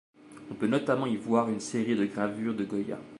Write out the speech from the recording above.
On peut notamment y voir une série de gravures de Goya.